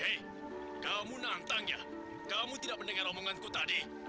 hei kamu nantang ya kamu tidak mendengar omonganku tadi